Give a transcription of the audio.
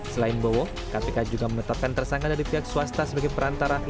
selain bowo kpk juga menetapkan tersangka dari pihak swasta sebagai perantara